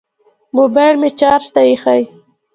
موبیل مې چارج ته ایښی